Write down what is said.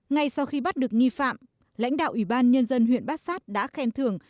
ngay sau khi bắt được nghi phạm lãnh đạo ủy ban nhân dân huyện bát sát đã khen thưởng